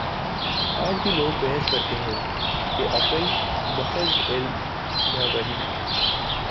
آج بھی لوگ بحث کرتے ہیں کہ عقل ماخذ علم یا وحی؟